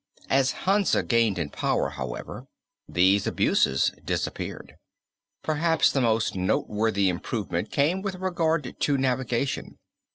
As Hansa gained in power however, these abuses disappeared. Perhaps the most noteworthy improvement came with regard to navigation.